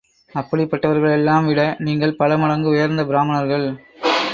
அப்படிப்பட்டவர்களை எல்லாம் விடநீங்கள் பல மடங்கு உயர்ந்த பிராமணர்கள்.